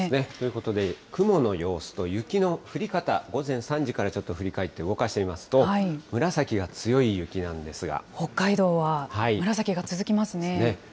ということで、雲の様子と雪の降り方、午前３時からちょっと振り返って動かしてみますと、紫北海道は紫が続きますね。